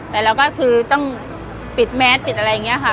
แต่เราก็คือต้องปิดแมสปิดอะไรอย่างนี้ค่ะ